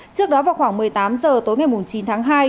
trước đó vào khoảng một mươi tám h tối ngày chín tháng hai